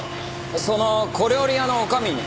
その小料理屋の女将に？